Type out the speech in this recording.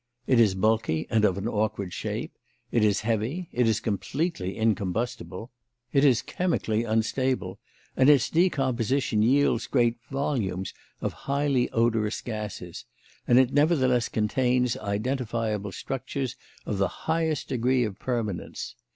It is bulky and of an awkward shape, it is heavy, it is completely incombustible, it is chemically unstable, and its decomposition yields great volumes of highly odorous gases, and it nevertheless contains identifiable structures of the highest degree of permanence.